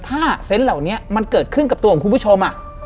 ถ้าเซนต์เหล่านี้มันเกิดขึ้นกับตัวของคุณผู้ชม